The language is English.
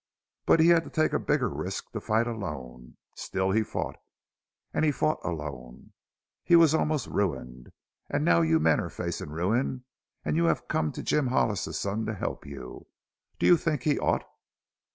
But he had to take a bigger risk to fight alone. Still he fought. And he fought alone. He was almost ruined. And now you men are facing ruin. And you have come to Jim Hollis's son to help you. Do you think he ought?"